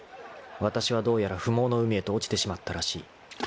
［わたしはどうやら不毛の海へと落ちてしまったらしい］